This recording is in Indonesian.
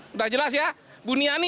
sudah jelas ya buniani